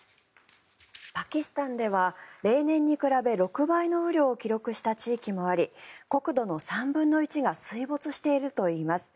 パキスタンでは例年に比べ６倍の雨量を記録した地域もあり国土の３分の１が水没しているといいます。